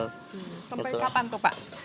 sampai kapan tuh pak